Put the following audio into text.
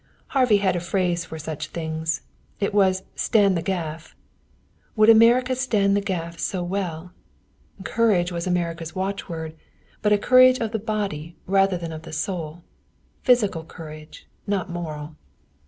Harvey had a phrase for such things. It was "stand the gaff." Would America stand the gaff so well? Courage was America's watchword, but a courage of the body rather than of the soul physical courage, not moral.